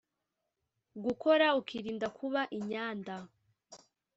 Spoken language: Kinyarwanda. gukora ukirinda kuba inyanda